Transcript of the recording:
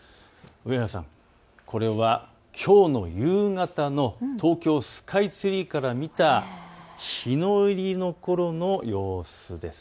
上原さん、これはきょうの夕方の東京スカイツリーから見た日の入りのころの様子です。